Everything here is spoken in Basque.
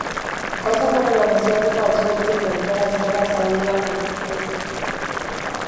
Gauzak horrela, nazioarteko atxilotze eta entrega eskaera zabaldu da kondenatuaren aurka.